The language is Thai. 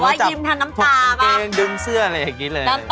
อาจจะถูกเกงดึงเสื้อแบบนี้เลย